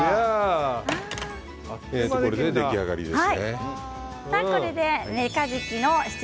これで出来上がりです。